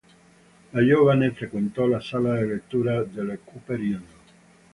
Da giovane frequentò la sala lettura della Cooper Union.